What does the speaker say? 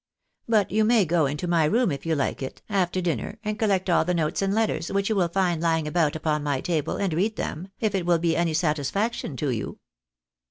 But you may go into my room if you like it, after dinner, and collect all the notes and letters which you wiU find lying about upon my table, and read them, if it will be any satis faction to you."